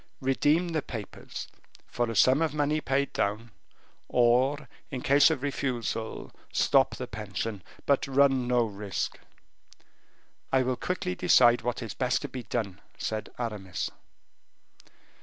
Redeem the papers, for a sum of money paid down, or, in case of refusal, stop the pension but run no risk." "I will quickly decide what is best to be done," said Aramis.